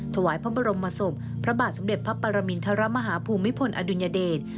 ถวายพระบรมศพพระบาทสมเด็จพระปรมินทรมาฮาภูมิพลอดุลยเดช